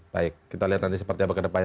baik kita lihat nanti seperti apa kedepannya